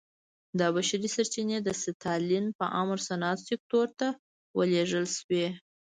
دا بشري سرچینې د ستالین په امر صنعت سکتور ته ولېږدول شوې